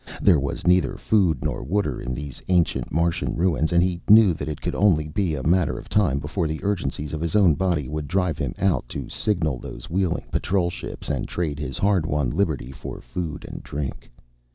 There was neither food nor water in these ancient Martian ruins, and he knew that it could be only a matter of time before the urgencies of his own body would drive him out to signal those wheeling Patrol ships and trade his hard won liberty for food and drink.